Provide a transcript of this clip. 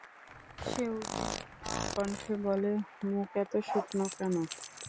সে উদ্বিগ্ন কষ্ঠে বলে, মুখ এত শুকনো কেন?